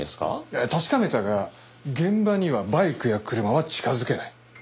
確かめたが現場にはバイクや車は近づけない。